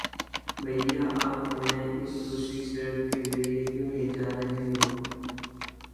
بھیا، آپ ہمیں اس دوسری سڑک کے ذریعے کیوں لے جا رہے ہو؟